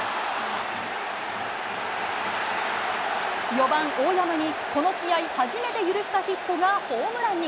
４番大山にこの試合初めて許したヒットがホームランに。